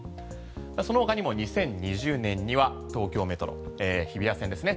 その他にも２０２０年には東京メトロ日比谷線ですね